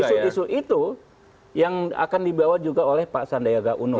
isu isu itu yang akan dibawa juga oleh pak sandiaga uno